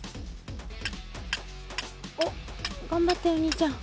おっがんばってお兄ちゃん。